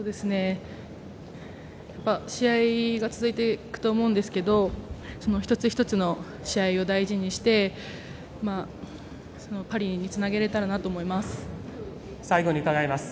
試合が続いていくと思うんですけど一つ一つの試合を大事にしてパリにつなげられたらなと思います。